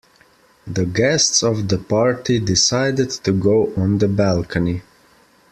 The guests of the party decided to go on the balcony.